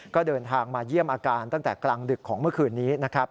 ก็เดินทางมาเยี่ยมอาการตั้งแต่กลางดึกของเมื่อคืนนี้นะครับ